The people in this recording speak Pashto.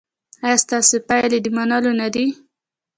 ایا ستاسو پایلې د منلو نه دي؟